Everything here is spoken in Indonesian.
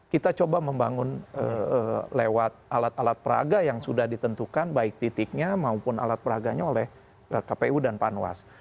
kita coba membangun lewat alat alat peraga yang sudah ditentukan baik titiknya maupun alat peraganya oleh kpu dan panwas